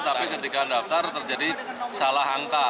tapi ketika daftar terjadi salah angka